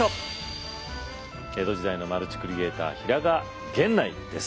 江戸時代のマルチクリエーター平賀源内です。